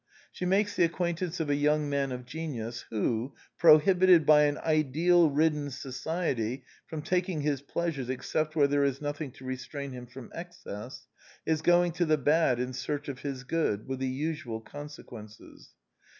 She makes the acquaintance of a young man of genius who, prohibited by an ideal ridden society from taking his pleasures except where there is nothing to restrain him from excess, is going to the bad in search of his good, with the usual con sequences.